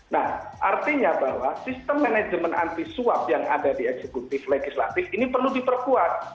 nah artinya bahwa sistem manajemen anti suap yang ada di eksekutif legislatif ini perlu diperkuat